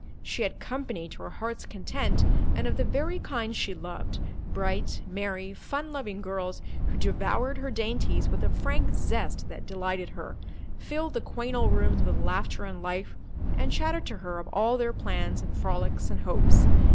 She had "company" to her heart's content and of the very kind she loved—bright, merry, fun loving girls who devoured her dainties with a frank zest that delighted her, filled the quaint old rooms with laughter and life, and chattered to her of all their plans and frolics and hopes.